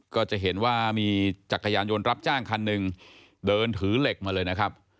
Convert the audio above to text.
ก็จะเห็นมีจักรยานยนต์รับจ้างคันนึงเดินถือเหล็กมา